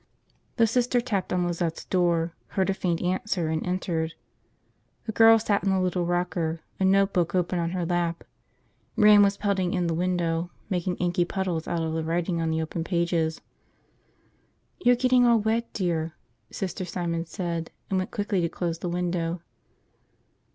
The Sister tapped on Lizette's door, heard a faint answer, and entered. The girl sat in the little rocker, a notebook open on her lap. Rain was pelting in the window, making inky puddles out of the writing on the open pages. "You're getting all wet, dear," Sister Simon said, and went quickly to close the window.